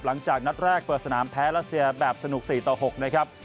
หลังจากนัดแรกเปิดสนามแพ้รัสเซียแบบสนุก๔ต่อ๖นะครับ